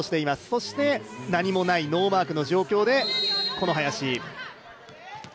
そして何もないノーマークの状況で、この林。